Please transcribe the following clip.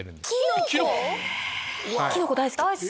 キノコ大好き！